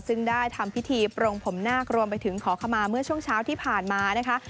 ซึ่งได้ทำพิธีปรงผมนาครวมไปถึงขอขมาเมื่อช่วงเช้าที่ผ่านมานะคะ